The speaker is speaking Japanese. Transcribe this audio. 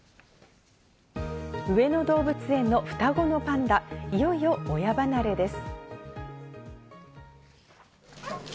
上野動物園の双子のパンダ、いよいよ親離れです。